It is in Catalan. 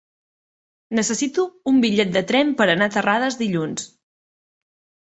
Necessito un bitllet de tren per anar a Terrades dilluns.